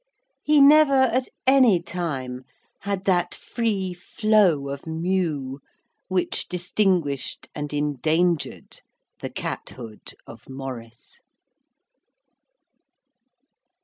He never at any time had that free flow of mew which distinguished and endangered the cat hood of Maurice.